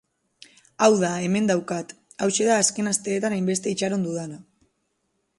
Hau da, hemen daukat, hauxe da azken asteetan hainbeste itxaron dudana.